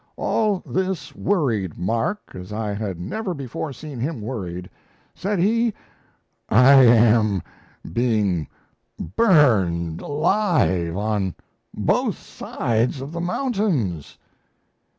All this worried Mark as I had never before seen him worried. Said he: "I am being burned alive on both sides of the mountains."